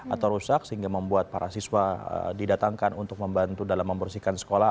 atau rusak sehingga membuat para siswa didatangkan untuk membantu dalam membersihkan sekolah